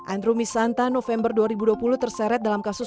andrew misanta november dua ribu dua puluh terseret dalam kasus